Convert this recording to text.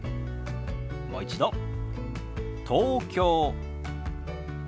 もう一度「東京」。